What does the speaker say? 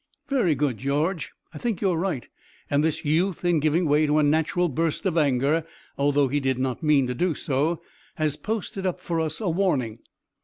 "Very good, George. I think you're right, and this youth in giving way to a natural burst of anger, although he did not mean to do so, has posted up for us a warning.